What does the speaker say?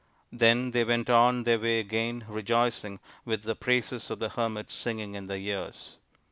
Then they went on their way again rejoicing, with the praises of the hermits singing in their ears.